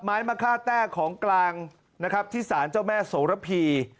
ไม้มะค่าแต้ของกลางนะครับที่สารเจ้าแม่โสระพี